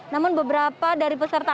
namun beberapa dari peserta